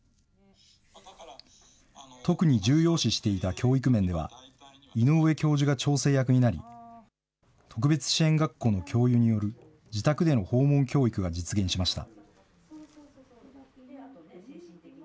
特に重要視していた教育面では、井上教授が調整役になり、特別支援学校の教諭による自宅での訪問教育が実現しました。